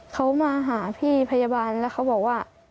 เขามาหาพี่พยาบาลแล้วเขาบอกว่า